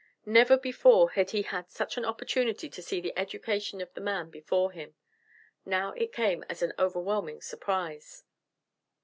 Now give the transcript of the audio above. Never before had he had such an opportunity to see the education of the man before him. Now it came as an overwhelming surprise.